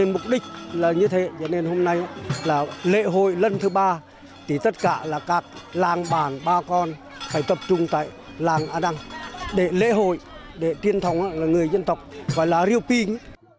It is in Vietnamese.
mục đích là như thế hôm nay là lễ hội lần thứ ba tất cả các làng bản ba con phải tập trung tại làng a đăng để lễ hội để tiên thống người dân tộc gọi là ayrioping